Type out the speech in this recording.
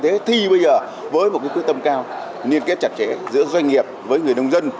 thế thì bây giờ với một cái quyết tâm cao liên kết chặt chẽ giữa doanh nghiệp với người nông dân